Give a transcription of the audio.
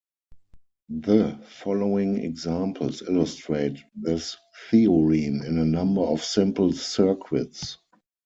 The following examples illustrate this theorem in a number of simple circuits.